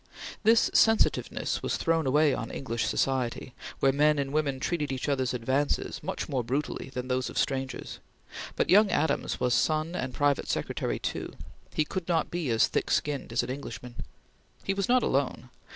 This sensitiveness was thrown away on English society, where men and women treated each others' advances much more brutally than those of strangers, but young Adams was son and private secretary too; he could not be as thick skinned as an Englishman. He was not alone.